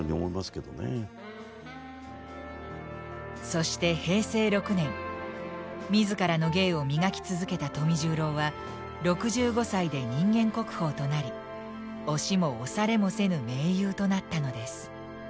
そして平成６年自らの芸を磨き続けた富十郎は６５歳で人間国宝となり押しも押されもせぬ名優となったのです。